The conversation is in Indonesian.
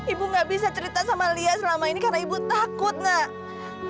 ibu gak bisa cerita sama lia selama ini karena ibu takut nak